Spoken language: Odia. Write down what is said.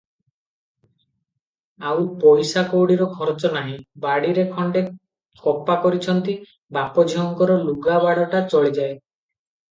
ଆଉ ପଇସା କଉଡିର ଖରଚ ନାହିଁ ।ବାଡିରେ ଖଣ୍ଡେ କପା କରିଛନ୍ତି, ବାପ ଝିଅଙ୍କର ଲୁଗାବାଡ଼ଟା ଚଳିଯାଏ ।